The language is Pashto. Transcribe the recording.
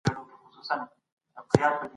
مجاهد په میدان کي د ایمان په وسله سمبال وي.